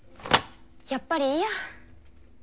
やっぱりいいや。